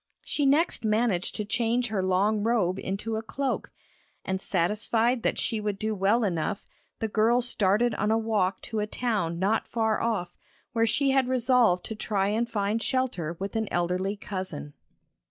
She next managed to change her long robe into a cloak, and satisfied that she would do well enough, the girl started on a walk to a town not far off, where she had resolved to try and find shelter with an elderly cousin.